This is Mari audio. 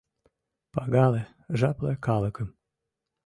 Пагале, жапле калыкым